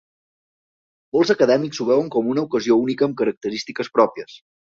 Molts acadèmics ho veuen com una ocasió única amb característiques pròpies.